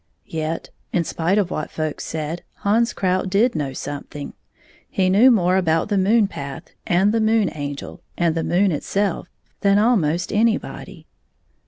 Yet, in spite of what folks said, Hans Krout did know something. He knew more about the moon path, and the Moon Angel, and the moon itself than ahnost anybody.